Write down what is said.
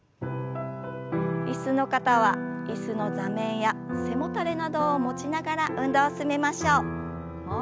椅子の方は椅子の座面や背もたれなどを持ちながら運動を進めましょう。